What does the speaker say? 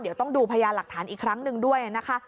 เดี๋ยวต้องดูพยานหลักฐานอีกครั้งหนึ่งด้วยนะคะ